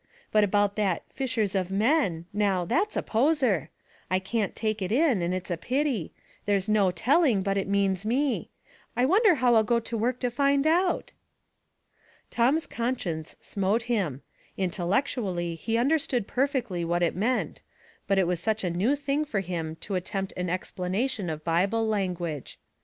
But about that 'Ushers of men '— now, that's a poser ; I can't take it in, and it's a pity; there's no telling but it means me. I wonder how I'll go to work to find out?" Tom's conscience smote him ; intellectually he understood perfectly what it meant, but it was such a new thing for him to attempt an explana tion of Bible language.